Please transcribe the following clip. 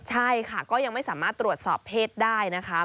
ใช่ค่ะก็ยังไม่สามารถตรวจสอบเพศได้นะคะ